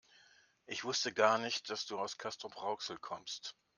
Ich wusste gar nicht, dass du aus Castrop-Rauxel kommst